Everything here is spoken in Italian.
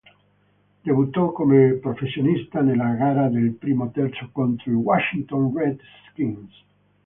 Debuttò come professionista nella gara del primo terzo contro i Washington Redskins.